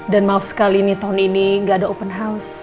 dan maaf sekali nih tahun ini gak ada open house